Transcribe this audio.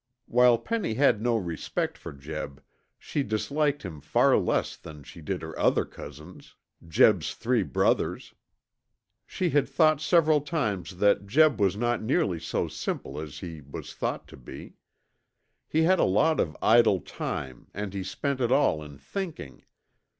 While Penny had no respect for Jeb, she disliked him far less than she did her other cousins, Jeb's three brothers. She had thought several times that Jeb was not nearly so simple as he was thought to be. He had a lot of idle time and he spent it all in thinking.